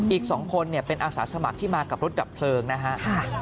อีก๒คนเป็นอาสาสมัครที่มากับรถดับเพลิงนะครับ